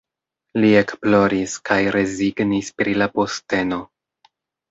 Li ekploris kaj rezignis pri la posteno.